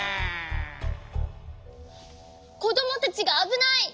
こどもたちがあぶない！